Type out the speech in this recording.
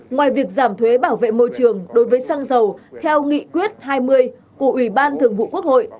ngoài việc giảm thuế bảo vệ môi trường đối với xăng dầu theo nghị quyết hai mươi của ủy ban thường vụ quốc hội